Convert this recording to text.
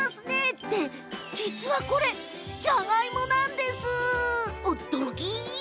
って実は、これじゃがいもなんです。